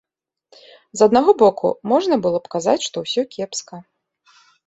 З аднаго боку, можна было б казаць, што ўсё кепска.